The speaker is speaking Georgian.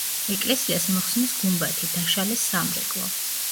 ეკლესიას მოხსნეს გუმბათი, დაშალეს სამრეკლო.